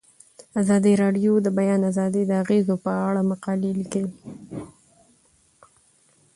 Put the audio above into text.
ازادي راډیو د د بیان آزادي د اغیزو په اړه مقالو لیکلي.